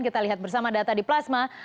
kita lihat bersama data di plasma